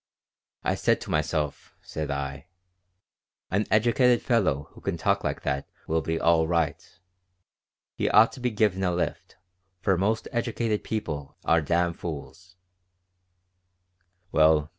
I said to myself, said I: 'An educated fellow who can talk like that will be all right. He ought to be given a lift, for most educated people are damn fools.'